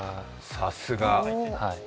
さすが。